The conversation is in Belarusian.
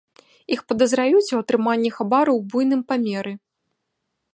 Іх падазраюць у атрыманні хабару ў буйным памеры.